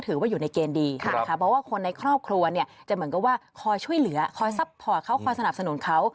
แต่หน่อยนึกว่าคอยช่วยเหลือคอยซัพพอร์ตเขาคอยสนับสนุนเขา